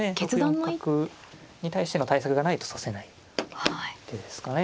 ６四角に対しての対策がないと指せない手ですかね。